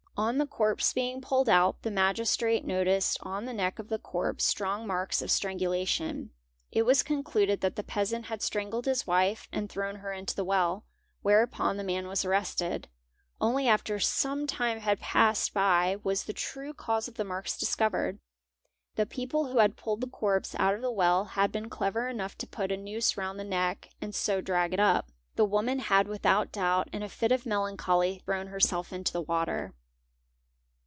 On the corpse being pulled out, the Magistrate noticed on the neck of the corpse strong marks of strangu lation. It was concluded that the peasant had strangled his wife and thrown her into the well, whereupon the man was arrested. Only after a some time had passed by was the true cause of the marks discovered. — The people who had pulled the corpse out of the well had been clever enough to put a noose round the neck and so drag it up. The woman — had without doubt in a fit of melancholy thrown herself into the water.